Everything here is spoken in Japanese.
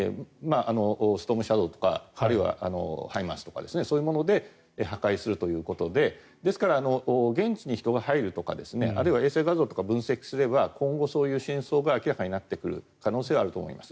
ストームシャドーとかＨＩＭＡＲＳとかそういうもので破壊するということでですから、現地に人が入るとかあるいは衛星画像とか分析すれば今後、そういう真相が明らかになってくる可能性はあると思います。